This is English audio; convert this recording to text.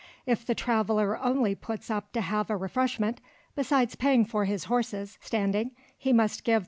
If the traveller only puts up to have a refreshment, besides paying for his horses standing he must give 3d.